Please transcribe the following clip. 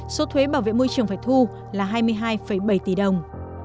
số thuế bảo vệ môi trường phải thu là hai mươi một tỷ đồng